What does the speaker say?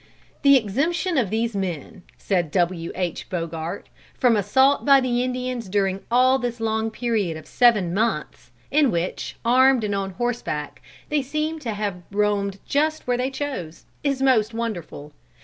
"The exemption of these men," said W. H. Bogart, "from assault by the Indians during all this long period of seven months, in which, armed and on horseback, they seem to have roamed just where they chose, is most wonderful.